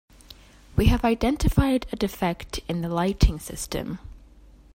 We have identified a defect in the lighting system.